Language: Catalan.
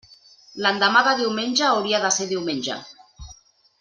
L'endemà de diumenge hauria de ser diumenge.